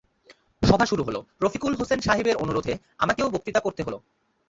সভা শুরু হলো, রফিকুল হোসেন সাহেবের অনুরোধে আমাকেও বক্তৃতা করতে হলো।